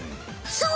そう！